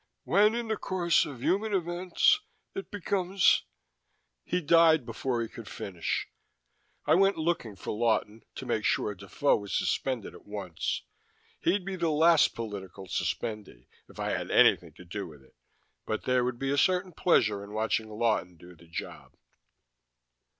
When in the course of human events, it becomes " He died before he could finish. I went looking for Lawton, to make sure Defoe was suspended at once. He'd be the last political suspendee, if I had anything to do with it, but there would be a certain pleasure in watching Lawton do the job.